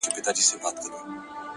o گرا ني خبري سوې پرې نه پوهېږم ـ